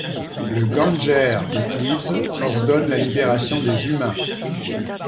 Le ganger de Cleaves ordonne la libération des humains.